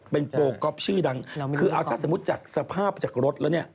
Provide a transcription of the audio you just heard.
เป็นโปรก๊อปชื่อดังคือเอาถ้าสมมุติจากสภาพจากรถแล้วเนี่ย